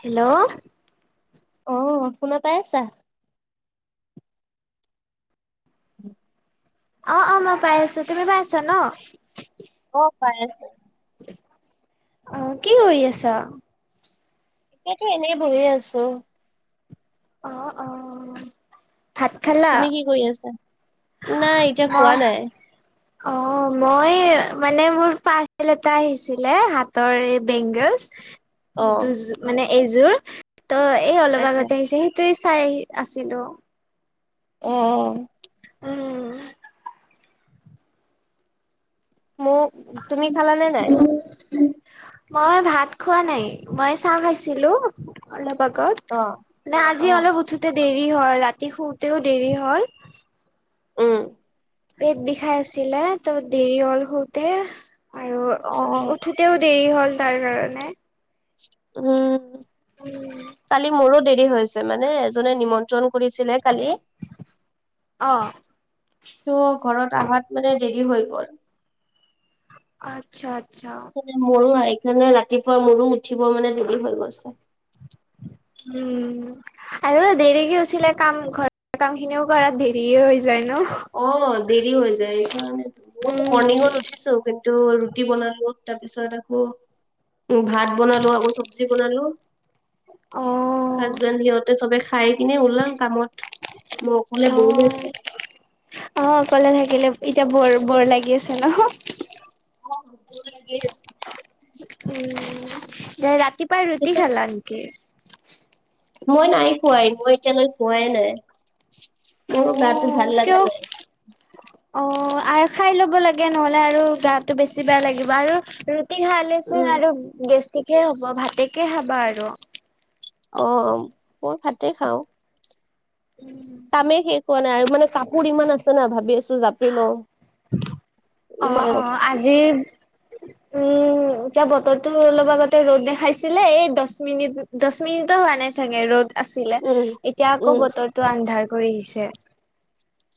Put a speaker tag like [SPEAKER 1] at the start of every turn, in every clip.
[SPEAKER 1] Hello.
[SPEAKER 2] অ', শুনা পাই আছা? উম।
[SPEAKER 1] অ', অ', মই পাই আছোঁ, তুমি পাই আছা ন'?
[SPEAKER 2] অ', পাই আছোঁ।
[SPEAKER 1] অ', কি কৰি আছা?
[SPEAKER 2] ইয়াটো এনেই বহি আছোঁ।
[SPEAKER 1] অ', অ'। ভাত খালা
[SPEAKER 2] তুমি কি কৰি আছা? নাই এতিয়া খোৱা
[SPEAKER 1] মই
[SPEAKER 2] নাই,
[SPEAKER 1] অ' মই মানে মোৰ পাৰ্চেল এটা আহিছিলে হাতৰ এই বেংগলছ।
[SPEAKER 2] অ',
[SPEAKER 1] দুযোৰ মানে এযোৰ, ত' এই অলপ
[SPEAKER 2] আচ্ছা,
[SPEAKER 1] আগতে আহিছে সেই তেই চাই আহি আছিলোঁ।
[SPEAKER 2] অ', অ'।
[SPEAKER 1] উম, উম।
[SPEAKER 2] মোক, তুমি খালা নে নাই?
[SPEAKER 1] মই ভাত খোৱা নাই, মই চাহ খাইছিলোঁ অলপ আগত।
[SPEAKER 2] অ',
[SPEAKER 1] নাই আজি
[SPEAKER 2] অ',
[SPEAKER 1] অলপ উঠোতে দেৰি হ'ল, ৰাতি শুতেও দেৰি হ'ল।
[SPEAKER 2] উম।
[SPEAKER 1] পেট বিষাই আছিলে ত' দেৰি হ'ল শুতে
[SPEAKER 2] অ',
[SPEAKER 1] আৰু ঠোতেও দেৰি হ'ল তাৰ কাৰণে।
[SPEAKER 2] উম।
[SPEAKER 1] উম।
[SPEAKER 2] কালি মোৰো দেৰি হৈছে মানে এজনে নিমন্ত্ৰণ কৰিছিলে কালি।
[SPEAKER 1] অ'।
[SPEAKER 2] ত' ঘৰত আহত মানে দেৰি হৈ গ'ল।
[SPEAKER 1] আচ্ছা, আচ্ছা।
[SPEAKER 2] মোৰো সেইকাৰণে ৰাতিপুৱা মোৰো উঠিব মানে দেৰি হৈ গৈছে।
[SPEAKER 1] উম। আৰু দেৰিকে উঠিলে কাম ঘৰৰ কামখিনিও কৰাত দেৰিয়ে হৈ যায় ন'।
[SPEAKER 2] অ', দেৰি হৈ যায়, এইকাৰণেটো ময়ো
[SPEAKER 1] উম
[SPEAKER 2] মণিংত উঠিছো কিন্তু ৰুটি বনালো তাৰপিছত আকৌ উম, ভাত বনালো আকৌ চব্জি বনালো
[SPEAKER 1] অ
[SPEAKER 2] হাজবেণ্ড সিহঁতে চবে খাই কিনে ওলাম কামত মোৰ অকলে
[SPEAKER 1] অ
[SPEAKER 2] বহি আছোঁ।
[SPEAKER 1] অ', অকলে থাকিলে এতিয়া বৰ বৰ লাগি আছে ন'?
[SPEAKER 2] অ', ব'ৰ লাগি আছ
[SPEAKER 1] উম, ৰাতি পাই ৰুটি
[SPEAKER 2] তাৰপিছত
[SPEAKER 1] খালা নেকি?
[SPEAKER 2] মই নাই খোৱা ই মই এতিয়ালৈ খোৱাই নাই
[SPEAKER 1] অ
[SPEAKER 2] মোৰ গাটো ভাল লগা
[SPEAKER 1] কিয়
[SPEAKER 2] নাই।
[SPEAKER 1] অ', আৰু খাই ল'ব লাগে নহ'লে আৰু গাটো বেছি বেয়া লাগিব আৰু ৰু টি
[SPEAKER 2] উম
[SPEAKER 1] খালেচোন আৰু গেষ্টিকে হ'ব ভাতেকে খাবা আৰু।
[SPEAKER 2] অ', অ', মই ভাতে খাওঁ। কামে শেষ হোৱা নাই আৰু মানে কাপোৰ ইমান আছে নাই ভাবি আছো জাপি ল ও।
[SPEAKER 1] অ অ আজি উম। উ এতিয়া বতৰ তো অলপ আগতে ৰ'দ দেখাইছিলে এই দহ মিনিট দহ মিনিটো হোৱা নাই চাগে ৰ'দ আছিলে
[SPEAKER 2] উম
[SPEAKER 1] এতিয়া আকৌ
[SPEAKER 2] উম
[SPEAKER 1] বতৰটো আন্ধাৰ কৰি আহিছে।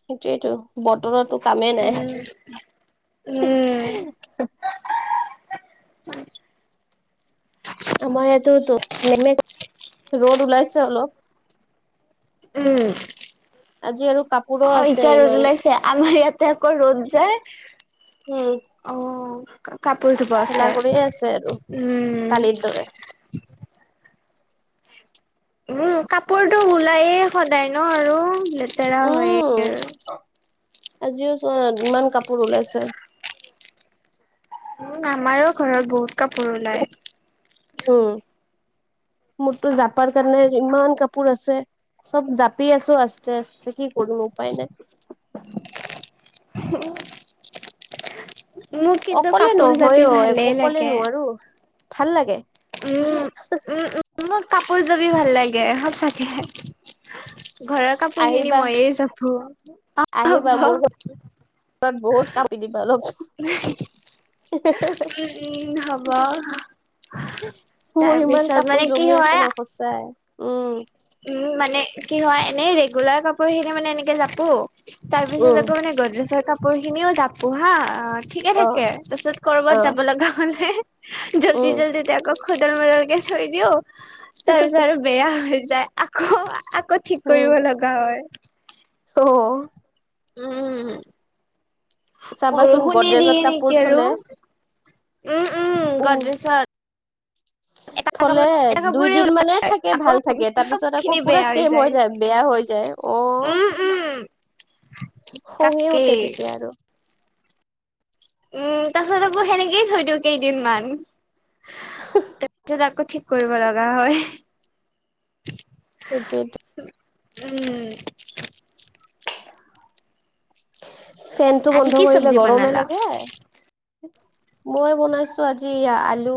[SPEAKER 2] সেইটোৱেইটো বতৰতটো কামেই
[SPEAKER 1] উম
[SPEAKER 2] নাই।
[SPEAKER 1] উম
[SPEAKER 2] আমাৰ ইয়াতোতো ৰ'দ ওলাইছে অলপ
[SPEAKER 1] উম
[SPEAKER 2] আজি আৰু কাপোৰো
[SPEAKER 1] অ
[SPEAKER 2] আছে
[SPEAKER 1] এতিয়া ৰ'দ
[SPEAKER 2] ইমান
[SPEAKER 1] ওলাই ছে- তে আমাৰ ইয়াতে আকৌ ৰ'দ যায়।
[SPEAKER 2] উম।
[SPEAKER 1] অ কাপোৰ ধুব
[SPEAKER 2] খেলা
[SPEAKER 1] আছে
[SPEAKER 2] কৰিয়ে আছে আৰু
[SPEAKER 1] উম।
[SPEAKER 2] কালিৰ দৰে
[SPEAKER 1] উম কাপোৰতটো ওলায়েই সদায় ন আৰু লেতেৰা হয়য়ে
[SPEAKER 2] উম
[SPEAKER 1] আৰু।
[SPEAKER 2] আজিও চ ইমান কাপোৰ ওলাইছে।
[SPEAKER 1] উ আমাৰো ঘৰত বহুত কাপোৰ ওলায়।
[SPEAKER 2] উম মোৰতো জাপাৰ কাৰণে ইমান কাপোৰ আছে। চব জাপি আছো আস্তে আস্তে কি কৰো উপায় নাই।
[SPEAKER 1] অ।
[SPEAKER 2] অকলে নহয় অ এক অকলে
[SPEAKER 1] লাগে।
[SPEAKER 2] নোৱাৰো ভাল লাগে।
[SPEAKER 1] উম উম উ। মোক কাপোৰ জাপি ভাল লাগে সঁচাকে। ঘৰৰ কাপোৰখিনি
[SPEAKER 2] আহিবা
[SPEAKER 1] মইয়ে যাপো হ।
[SPEAKER 2] তৰত বহুত কাপি দিবা লব।
[SPEAKER 1] উম উম হব।
[SPEAKER 2] মোৰ ইমান
[SPEAKER 1] তাৰপিছত মানে
[SPEAKER 2] কাপোৰ
[SPEAKER 1] কি
[SPEAKER 2] জমি
[SPEAKER 1] হয়
[SPEAKER 2] আছে ন সঁচাই উম।
[SPEAKER 1] উম মানে কি হয় এনেই ৰেগুলাৰ কাপোৰ খিনি মানে এনেকে যাপো। তাৰ পিছত
[SPEAKER 2] উম
[SPEAKER 1] আকৌ মানে গৰদেজৰ কাপোৰ খিনিও জাপো হা ঠিকে
[SPEAKER 2] অ
[SPEAKER 1] থাকে তাৰপিছত
[SPEAKER 2] অ
[SPEAKER 1] কৰবাত যাব লগা হলে জল্দি
[SPEAKER 2] উম
[SPEAKER 1] জল্দি। আকৌ খদল মদলকে থৈ দিওঁ তাৰপিছত আৰু বেয়া হৈ যায় আকৌ। আকৌ ঠিক কৰিব লগা হয়।
[SPEAKER 2] হ।
[SPEAKER 1] উম
[SPEAKER 2] চাবাচোন
[SPEAKER 1] বৰষুণে
[SPEAKER 2] গডৰেজত
[SPEAKER 1] দিয়ে
[SPEAKER 2] কাপোৰ
[SPEAKER 1] নেকি
[SPEAKER 2] থলে
[SPEAKER 1] আৰু? উম উম
[SPEAKER 2] উ
[SPEAKER 1] গদ্ৰেশত।
[SPEAKER 2] থলে
[SPEAKER 1] এটা
[SPEAKER 2] দুই
[SPEAKER 1] কাপোৰে
[SPEAKER 2] দিন মানে থাকে
[SPEAKER 1] আকৌ
[SPEAKER 2] ভাল থাকে তাৰ
[SPEAKER 1] চব
[SPEAKER 2] পিছত আকৌ
[SPEAKER 1] খিনি
[SPEAKER 2] পুৰা
[SPEAKER 1] বেয়া
[SPEAKER 2] ছেম হৈ যায়। বেয়া হৈ যায় অ
[SPEAKER 1] উম উম
[SPEAKER 2] খঙে উঠে
[SPEAKER 1] তাকেই
[SPEAKER 2] তেতিয়া আৰু।
[SPEAKER 1] উম তাৰ পাছত আকৌ সেনেকেই থৈ দিও কেইদিনমান। তাৰপিছত আকৌ ঠিক কৰিব লগা হয়।
[SPEAKER 2] [unintelligible]
[SPEAKER 1] উম
[SPEAKER 2] ফেনতটো
[SPEAKER 1] আজি
[SPEAKER 2] বন্ধ
[SPEAKER 1] কি
[SPEAKER 2] কৰিলে
[SPEAKER 1] চব্জি
[SPEAKER 2] গৰমে
[SPEAKER 1] বনালা?
[SPEAKER 2] লাগে মই বনাইছো। আজি আলু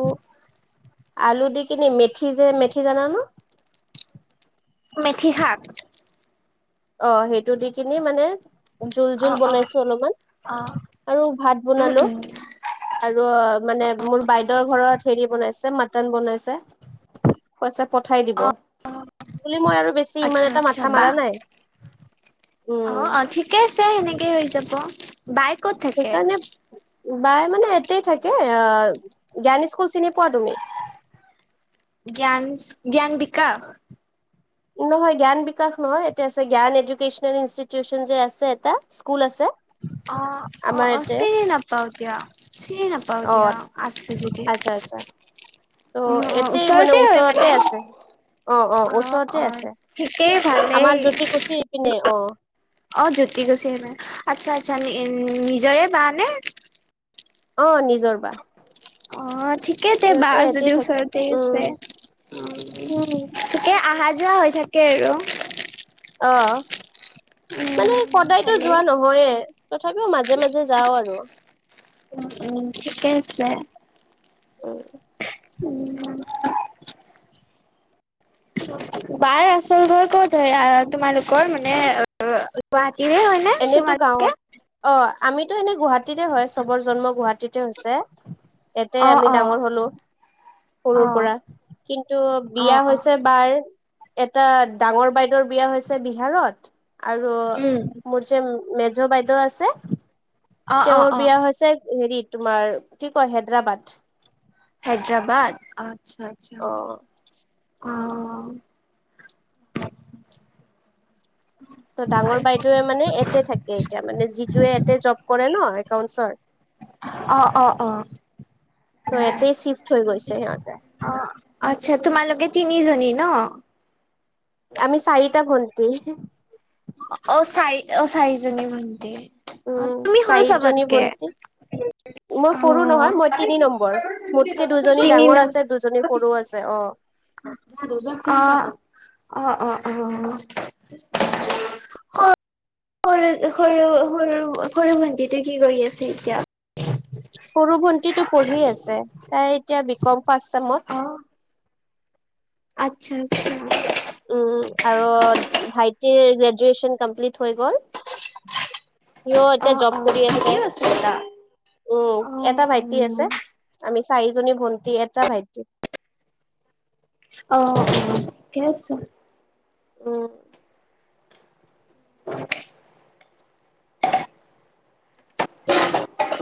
[SPEAKER 2] আলু দি কেনে মেথি যে মেথি জানা ন?
[SPEAKER 1] মেথি হাক।
[SPEAKER 2] অ সেইটো দি কিনি মানে জোল জোল
[SPEAKER 1] অ', অ',
[SPEAKER 2] বনাইছো অলপমান
[SPEAKER 1] অ',
[SPEAKER 2] আৰু ভাত
[SPEAKER 1] উম,
[SPEAKER 2] বনালো।
[SPEAKER 1] উম,
[SPEAKER 2] আৰু মানে মোৰ বাইদেউৰ ঘৰত হেৰি বনাইছে মাটন বনাইছে। পইচা পঠাই দিব
[SPEAKER 1] অ', অ',
[SPEAKER 2] বুলি মই আৰু বেছি ইমান
[SPEAKER 1] আচ্ছা,
[SPEAKER 2] এটা
[SPEAKER 1] আচ্ছা
[SPEAKER 2] মাথা
[SPEAKER 1] বাহ।
[SPEAKER 2] মাৰা নাই।
[SPEAKER 1] অ
[SPEAKER 2] উম
[SPEAKER 1] অ ঠিকে আছে সেনেকেই হৈ যাব বাই ক'ত? থাকে?
[SPEAKER 2] সেইকাৰণে বাই মানে এতেই থাকে। অ জ্ঞান স্কুল চিনি পোৱা তুমি?
[SPEAKER 1] জ্ঞান জ্ঞান বিকাশ?
[SPEAKER 2] নহয় জ্ঞান বিকাশ নহয়, এতিয়া আছে জ্ঞান এডুকেচনেল ইনষ্টিটিউচন যে আছে এটা স্কুল আছে।
[SPEAKER 1] অ অ
[SPEAKER 2] আমাৰ
[SPEAKER 1] অ
[SPEAKER 2] ইয়াতে
[SPEAKER 1] চিনি নাপাওঁ দিয়া চিনি না। পাও
[SPEAKER 2] অ
[SPEAKER 1] এতিয়া আছে যদি
[SPEAKER 2] আচ্ছা আচ্ছা ত'
[SPEAKER 1] অ অ
[SPEAKER 2] এতেই
[SPEAKER 1] ওচৰতে হয় মানে।
[SPEAKER 2] আছে
[SPEAKER 1] অ অ ঠিকেই ভালেই।
[SPEAKER 2] খুচিৰ এপিনে অ।
[SPEAKER 1] অ জ্যোতিকুছিৰ আচ্ছা আচ্ছা নি নিজৰে বা নে?
[SPEAKER 2] অ নিজৰ বা।
[SPEAKER 1] অ ঠিকেই দে বা
[SPEAKER 2] সিহঁতে ইয়াতে
[SPEAKER 1] যদি
[SPEAKER 2] থাকে
[SPEAKER 1] ওচৰতে আছে
[SPEAKER 2] উম
[SPEAKER 1] উম। থিকে আহা-যোৱা হৈ থাকে আৰু।
[SPEAKER 2] অ অ মানে
[SPEAKER 1] উম
[SPEAKER 2] সদায়তো
[SPEAKER 1] ভালেই।
[SPEAKER 2] যোৱা ন হয়ে তথাপিও মাজে মাজে যাওঁ আৰু
[SPEAKER 1] উ উম ঠিকে আছে।
[SPEAKER 2] অ
[SPEAKER 1] [inaudible] বাৰ আচল ঘৰ ক'ত হয়? আহ তোমালোকৰ মানে অ গুৱাহাটীৰে হয়? নে
[SPEAKER 2] এনেতো
[SPEAKER 1] তোমালোকে?
[SPEAKER 2] গাঁৱত অ আমিতো এনে গুৱাহাটীতে হয় চবৰ জন্ম গুৱাহাটীতে হৈছে। এতে
[SPEAKER 1] অ
[SPEAKER 2] আমি
[SPEAKER 1] অ
[SPEAKER 2] ডাঙৰ হলোঁ। সৰুৰ
[SPEAKER 1] অ
[SPEAKER 2] পৰা। কিন্তু
[SPEAKER 1] অ
[SPEAKER 2] বিয়া
[SPEAKER 1] অ
[SPEAKER 2] হৈছে বাৰ এটা ডাঙৰ বাইদেউৰ বিয়া হৈছে বিহাৰত, আৰু
[SPEAKER 1] উম
[SPEAKER 2] উ মেজুৰ বাইদেউ আছে।
[SPEAKER 1] অ অ
[SPEAKER 2] তেওঁৰ
[SPEAKER 1] অ।
[SPEAKER 2] বিয়া হৈছে হেৰি তোমাৰ কি কয় হেদৰাবাদ।
[SPEAKER 1] হেদৰাবাদ আচ্ছা আচ্ছা।
[SPEAKER 2] অ
[SPEAKER 1] অ
[SPEAKER 2] ত ডাঙৰ বাইদেউৱে মানে এতে থাকে এতিয়া মানে যিজুৱে এতে জব কৰে ন একাউনছৰ
[SPEAKER 1] অ অ অ।
[SPEAKER 2] ত' ইয়াতে চিফ্ট হৈ গৈছে সিহঁতে
[SPEAKER 1] অ আচ্ছা তোমালোকে তিনি জনী ন?
[SPEAKER 2] আমি চাৰিটা ভণ্টি।
[SPEAKER 1] অ চাই অ চাৰিজনি ভণ্টি।
[SPEAKER 2] উম, চাইজনী ভণ্টি মই
[SPEAKER 1] অ
[SPEAKER 2] সৰু নহয়, মই তিনি নম্বৰ মোতকে দুজনী
[SPEAKER 1] তিনি
[SPEAKER 2] ডাঙৰ আছে দুজনী সৰু আছে। অ
[SPEAKER 1] দুজ অ অ- অ- অ সৰু- সৰু- সৰু- সৰু ভণ্টিতো কি কৰি আছে এতিয়া?
[SPEAKER 2] সৰু ভন্টিটো পঢ়ি আছে, তাই এতিয়া বিকম ফাচ চেমত।
[SPEAKER 1] অ আচ্ছা-আচ্ছা।
[SPEAKER 2] উ, আৰু ভাইটিৰ গ্ৰেজুৱেচন কমপ্লিট হৈ গ'ল। হিও
[SPEAKER 1] অ
[SPEAKER 2] এতিয়া জব
[SPEAKER 1] অ
[SPEAKER 2] কৰি আছে।
[SPEAKER 1] ঠিকেই দা
[SPEAKER 2] উম
[SPEAKER 1] অ
[SPEAKER 2] এটা
[SPEAKER 1] অ
[SPEAKER 2] ভাইটি আছে আমি চাৰিজনী ভন্টি এটা ভাইটি।
[SPEAKER 1] অ অ ঠিকে আছে।
[SPEAKER 2] অ।
[SPEAKER 1] [inaudible]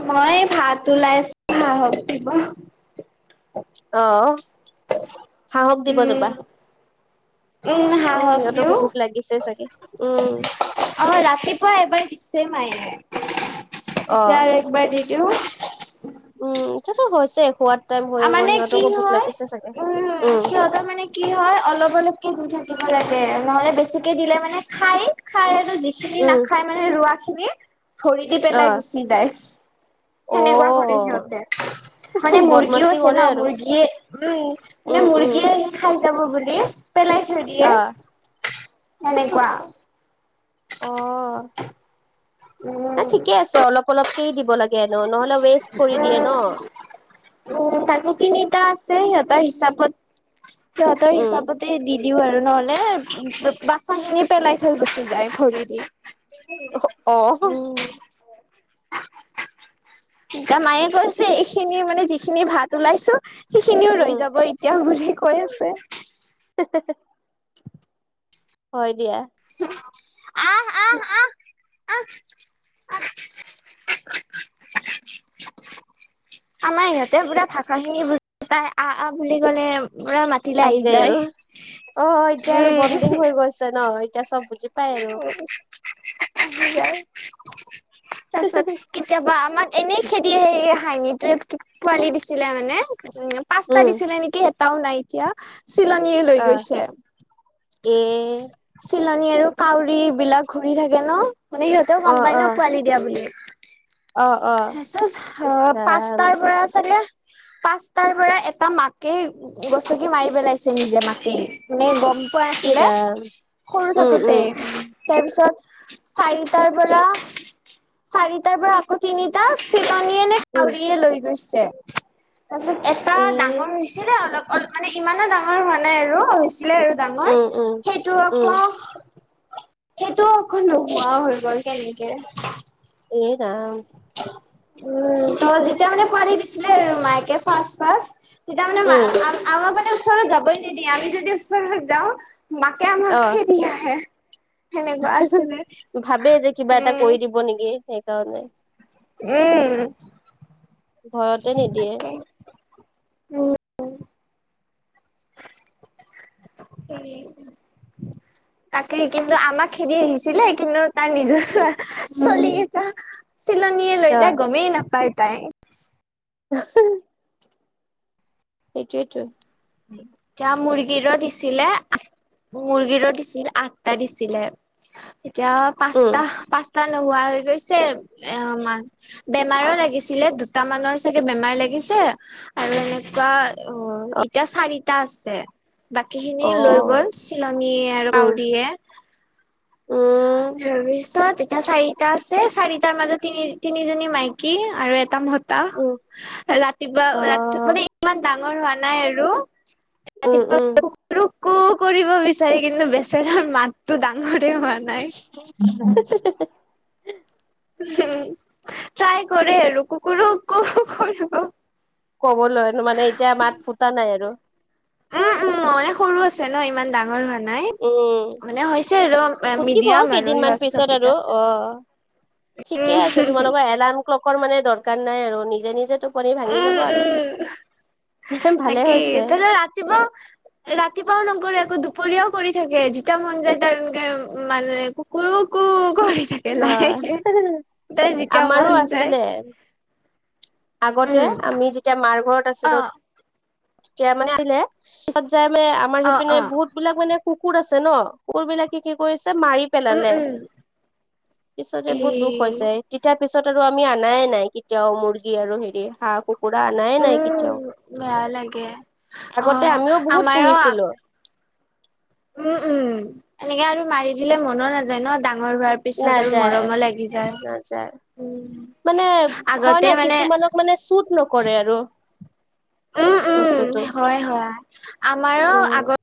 [SPEAKER 1] মই ভাত ওলাই আছ মা হক দিব।
[SPEAKER 2] অ, হাহক দিব
[SPEAKER 1] উম
[SPEAKER 2] যাবা।
[SPEAKER 1] উম
[SPEAKER 2] অ,
[SPEAKER 1] হাঁহক
[SPEAKER 2] সিহঁতকো
[SPEAKER 1] দিওঁ
[SPEAKER 2] ভোক লাগিছে চাগে উম।
[SPEAKER 1] অ ৰাতিপুৱা এবাৰ দিছে মায়ে
[SPEAKER 2] অ।
[SPEAKER 1] এতিয়া আৰু একবাৰ দি দিওঁ।
[SPEAKER 2] উম, ঠিকে হৈছে সোৱাত
[SPEAKER 1] আ মানে কি হয়, উম সিহঁতৰ মানে কি হয়? অলপ-অলপকে দি থাকিব লাগে নহলে বেছিকে দিলে মানে খাই - খাই আৰু যি খিনি
[SPEAKER 2] উম
[SPEAKER 1] নাখাই মানে ৰোৱাখিনি ভৰি দি
[SPEAKER 2] অ
[SPEAKER 1] পেলাই গুচি যায়।
[SPEAKER 2] অ
[SPEAKER 1] সেনেকুৱা কৰে সিহঁতে মানে মুৰ গী
[SPEAKER 2] বদমাচি
[SPEAKER 1] আছে
[SPEAKER 2] কৰে
[SPEAKER 1] ন
[SPEAKER 2] আৰু
[SPEAKER 1] মুৰ্গীয়ে উম মানে
[SPEAKER 2] উম উম
[SPEAKER 1] মুৰ্গীয়ে সেই খাই যাব বুলি পেলাই থৈ দি
[SPEAKER 2] আহ উহু অ না
[SPEAKER 1] উম
[SPEAKER 2] ঠিকে আছে অলপ অলপকেই দিব লাগেনো নহলে ৱেষ্ট কৰি দিয়ে ন?
[SPEAKER 1] তাকে তিনিটা আছে সিহঁতৰ হিচাপত, সিহঁতৰ
[SPEAKER 2] উম
[SPEAKER 1] হিচাপত তে দি দিও আৰু নহলে বা বাচাখিনি পেলাই থৈ গুচি যায় ভৰি দি।
[SPEAKER 2] অ
[SPEAKER 1] উম, উম। গা মায়ে কৈছে এইখিনি মানে যিখিনি ভাত ওলাইছো সেইখিনিও
[SPEAKER 2] উম
[SPEAKER 1] ৰৈ যাব এতিয়া গোৰে কৈ আছে।
[SPEAKER 2] হেহেহে, হয় দিয়া।
[SPEAKER 1] হুহ, আহ- আহ- আহ। আহ, আহ। আমাৰ ইহঁতে পুৰা ভাষাখিনি বুজি পায়, আ আ বুলি কলে পুৰা মা
[SPEAKER 2] আহি যায় আৰু অ এতিয়া আৰু
[SPEAKER 1] উম
[SPEAKER 2] বনডিং হৈ গৈছে ন এতিয়া চব বুজি পাই আৰু
[SPEAKER 1] অ অ বুজি যায় তাৰপিছত কেতিয়াবা আমাক এনেই খেদি আহে এই হাঁহানিটোৱে কি পোৱালি দিছিলে মানে'। উম পাচটা দিছিলে নেকি এটাও নাই এতিয়া চিলনিয়ে লৈ
[SPEAKER 2] অ
[SPEAKER 1] গৈছে।
[SPEAKER 2] এ
[SPEAKER 1] চিলনী আৰু কাউৰী এইবিলাক ঘূৰি থাকে ন, মানে সিহঁতেও
[SPEAKER 2] অ
[SPEAKER 1] গম পাই
[SPEAKER 2] অ
[SPEAKER 1] ন পোৱালি দিয়া বুলি।
[SPEAKER 2] অ- অ।
[SPEAKER 1] তাৰপিছত, তত অ
[SPEAKER 2] ইচৰাম
[SPEAKER 1] পাঁচটাৰ পৰা চালে পাঁচটাৰ পৰা এটা মাকে গছকি মাৰি পেলাইছে নিজে মাকেই। নে গম পোৱা আছিলে
[SPEAKER 2] ইৰাম
[SPEAKER 1] সৰু
[SPEAKER 2] উম
[SPEAKER 1] থাকোতে।
[SPEAKER 2] উম
[SPEAKER 1] তাৰ পিছত চাৰিটাৰ পৰা চাৰিটাৰ পৰা আগত তিনিটা চিলনীয়ে নে
[SPEAKER 2] উম
[SPEAKER 1] কাউৰীয়ে লৈ গৈছে তাৰপিছত এ
[SPEAKER 2] এ
[SPEAKER 1] হৈছিলে অলপ-অলপ মানে ইমানো ডাঙৰ হোৱা নাই আৰু হৈছিলে আৰু ডাঙৰ
[SPEAKER 2] উম উম
[SPEAKER 1] সেইটো
[SPEAKER 2] উম
[SPEAKER 1] আকৌ সেইটোও অকন নোহোৱাও হৈ গ'ল কেনেকে?
[SPEAKER 2] এ ৰাম!
[SPEAKER 1] উম, তই যেতিয়া মানে পাৰি দিছিলে আৰু মাইকে ফাৰ্ষ্ট ফাৰ্ষ্ট তেতিয়া মানে মা
[SPEAKER 2] উম
[SPEAKER 1] আ আমাৰ মানে ওচৰত যাবই নিদিয়ে, আমি যদি ওচৰত যাওঁ মাকে আমাক খেদি আহে। সেনেকুৱা আছিলে
[SPEAKER 2] উহুহু, ভাবে যে কিবা এটা
[SPEAKER 1] উম
[SPEAKER 2] কৰি দিব নেকি সেইকাৰণে।
[SPEAKER 1] উম।
[SPEAKER 2] ভয়তে নিদিয়ে
[SPEAKER 1] তাকে উম তাকে কিন্তু আমাক খেল আহিছিলে কিন্তু, তাৰ নিজৰে ছোৱালী কেইটা চিলনীয়ে
[SPEAKER 2] অ
[SPEAKER 1] লৈ যায় গমেই নাপায় তাই।
[SPEAKER 2] [unintelligible] সেইটোৱেইটো
[SPEAKER 1] এতিয়া মুৰ্গীৰো দিছিলে মুৰ্গীৰো দিছিল আঠটা দিছিলে এতিয়া
[SPEAKER 2] উম
[SPEAKER 1] পাঁচটা পচ টা নোহোৱা হৈ গৈছে বেমাৰো লাগিছিলে দুটামানৰ চাগে বেমাৰ লাগিছে আৰু এনেকুৱা অ এতিয়া চাৰিটা আছে বাকী খিনি লৈ
[SPEAKER 2] অ',
[SPEAKER 1] গ'ল চিলনীয়ে আৰু কাউৰীয়ে
[SPEAKER 2] অ
[SPEAKER 1] তাৰ পিছত এতিয়া চাৰিটা আছে চাৰিটাৰ মাজত তিনি তিনিজনী মাইকী আৰু এটা ম টা
[SPEAKER 2] উম,
[SPEAKER 1] ৰাতিপুৱা ৰাতি
[SPEAKER 2] অ',
[SPEAKER 1] মানে ইমান ডাঙৰ হোৱা নাই আৰু
[SPEAKER 2] উম, উম,
[SPEAKER 1] ৰাতিপুৱা কুকুৰোকো কৰিব বিচাৰে কিন্তু বেচেৰাৰ মাতো ডাঙৰে হোৱা নাই নাই
[SPEAKER 2] [unintelligible]
[SPEAKER 1] উম ট্ৰাই কৰে আৰু কুকুৰু কু কৰিব
[SPEAKER 2] ক'বলৈ মানে এতিয়া মাত ফুটা নাই আৰু
[SPEAKER 1] উম উম মই সৰু আছে ন ইমান ডাঙৰ হোৱা নাই
[SPEAKER 2] উম,
[SPEAKER 1] মানে হৈছে আৰু
[SPEAKER 2] ফুটিব
[SPEAKER 1] মিডিয়াম আৰু
[SPEAKER 2] কেইদিনমান
[SPEAKER 1] সিহঁত
[SPEAKER 2] পিছত
[SPEAKER 1] চব
[SPEAKER 2] আৰু
[SPEAKER 1] কেইটা
[SPEAKER 2] অ', ঠিকে আছে তোমালোকৰ এলাৰ্ম ক্লকৰ মানে দৰকাৰ নাই আৰু নিজে নিজে পনিৰ ভাঙি
[SPEAKER 1] উম
[SPEAKER 2] যাব
[SPEAKER 1] উম
[SPEAKER 2] আৰু ভালে হৈছে
[SPEAKER 1] কিবা ৰাতিপুৱাও নকৰে আক দুপৰীয়াও কৰি থাকে যেতিয়া মন যায় তাৰ এনেকে মানে কুকুৰু কু কৰি থাকে
[SPEAKER 2] অ',
[SPEAKER 1] লাহেকে তাই যেতিয়া
[SPEAKER 2] আমাৰো
[SPEAKER 1] মন যায়
[SPEAKER 2] আছিলে আগতে
[SPEAKER 1] উম
[SPEAKER 2] আমি যেতিয়া মাৰঘৰত
[SPEAKER 1] অ
[SPEAKER 2] আছিলো তেতিয়া মানে আহিলে পিছত যাই মানে আমাৰ
[SPEAKER 1] অ
[SPEAKER 2] সেইপিনে
[SPEAKER 1] অ
[SPEAKER 2] বহুত বিলাক মানে কুকুৰ আছে ন কুকুৰ বিলাকে কি কৰিছে মাৰি
[SPEAKER 1] উম
[SPEAKER 2] পেলালে
[SPEAKER 1] উম
[SPEAKER 2] পিছত যে
[SPEAKER 1] এ
[SPEAKER 2] বহুত দুখ হৈছে তেতিয়াৰ পিছত আৰু আমি আনায় নাই কেতিয়াও মুৰ্গী আৰু হেৰি হাঁহ কুকুৰা আনায় নাই
[SPEAKER 1] উম
[SPEAKER 2] কেতিয়াও
[SPEAKER 1] বেয়া লাগে অ
[SPEAKER 2] আগতে আমিও বহুত
[SPEAKER 1] আমাৰো
[SPEAKER 2] পুহিছিলো
[SPEAKER 1] উম উম এনেকে আৰু মাৰি দিলে মন নাযায় ন ডাঙৰ হোৱাৰ পিছত আৰু
[SPEAKER 2] নাযায়
[SPEAKER 1] মৰমো লাগি যায়
[SPEAKER 2] নাযায়
[SPEAKER 1] উম
[SPEAKER 2] মানে হয় ন
[SPEAKER 1] আগতে মানে
[SPEAKER 2] কিছুমানক মানে চুট নকৰে আৰু
[SPEAKER 1] উম উম
[SPEAKER 2] বস্তুটো
[SPEAKER 1] হয় হয় আমাৰো
[SPEAKER 2] উম
[SPEAKER 1] আগৰ